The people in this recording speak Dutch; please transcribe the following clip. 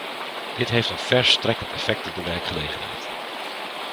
Dit heeft een verstrekkend effect op de werkgelegenheid.